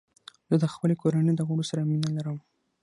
زه د خپلې کورنۍ د غړو سره مینه لرم.